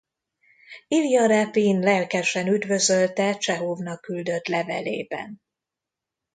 Ilja Repin lelkesen üdvözölte Csehovnak küldött levelében.